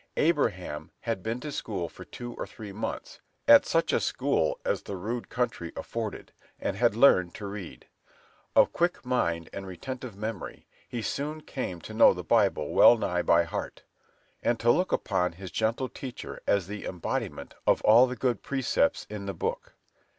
Abraham had been to school for two or three months, at such a school as the rude country afforded, and had learned to read. Of quick mind and retentive memory, he soon came to know the Bible wellnigh by heart, and to look upon his gentle teacher as the embodiment of all the good precepts in the book.